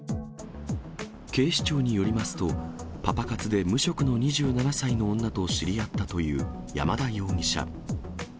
警視庁によりますと、パパ活で無職の２７歳の女と知り合ったという山田容疑者。